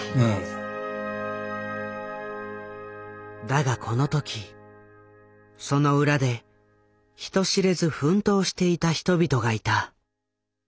だがこのときその裏で人知れず奮闘していた人々がいた。